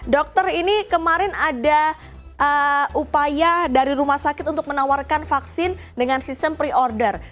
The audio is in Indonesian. dokter ini kemarin ada upaya dari rumah sakit untuk menawarkan vaksin dengan sistem pre order